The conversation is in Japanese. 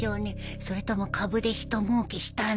それとも株でひともうけしたの？